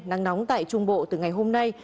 nắng nóng tại trung bộ từ ngày hôm nay